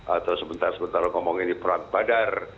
atau sebentar sebentar ngomong ini perang badar